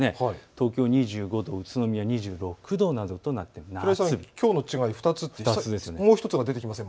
東京２５度、宇都宮２６度などとなっています。